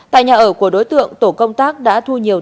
tại nhà ở của đối tượng tổ công tác đã thu nhiều